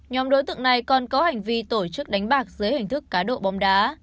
nhóm đối tượng này còn có hành vi tổ chức đánh bạc dưới hình thức cá độ bóng đá